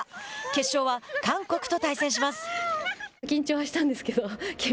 決勝は韓国と対戦します。